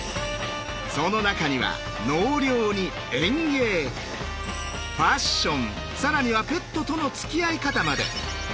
その中には納涼に園芸ファッション更にはペットとのつきあい方まで。